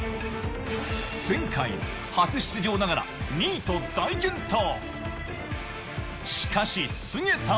前回、初出場ながら２位と大健闘。